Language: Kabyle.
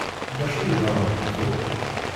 D acu yeḍran d Tom?